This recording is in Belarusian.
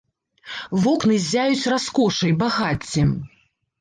Вокны ззяюць раскошай, багаццем.